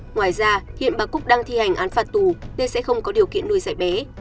ngoài ra hiện bà cúc đang thi hành án phạt tù nên sẽ không có điều kiện nuôi giải bé